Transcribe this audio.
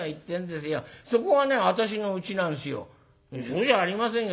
「うそじゃありませんよ。